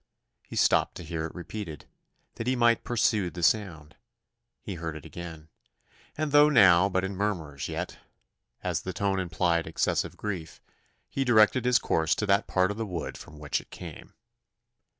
He stopped to hear it repeated, that he might pursue the sound. He heard it again; and though now but in murmurs, yet, as the tone implied excessive grief, he directed his course to that part of the wood from which it came.